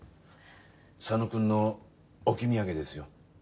佐野くんの置き土産ですよ。